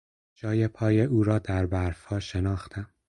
جای پای او را در برفها شناختم.